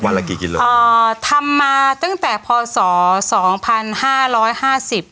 ละกี่กิโลเอ่อทำมาตั้งแต่พศสองพันห้าร้อยห้าสิบ